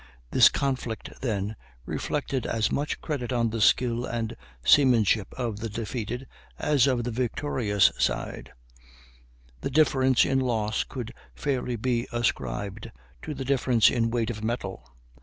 This conflict, then, reflected as much credit on the skill and seamanship of the defeated as of the victorious side; the difference in loss could fairly be ascribed to the difference in weight of metal.